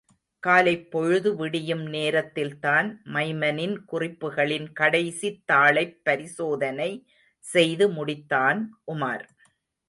காலைப்பொழுது விடியும் நேரத்தில்தான், மைமனின் குறிப்புகளின் கடைசித் தாளைப் பரிசோதனை செய்து முடித்தான் உமார்.